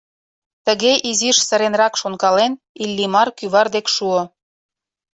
Тыге изиш сыренрак шонкален, Иллимар кӱвар дек шуо.